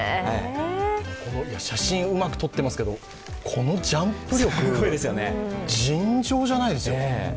この写真、うまく撮ってますけどこのジャンプ力、尋常じゃないですね。